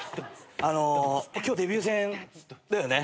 あの今日デビュー戦だよね？